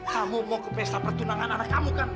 kamu mau ke pesta pertunangan anak kamu kan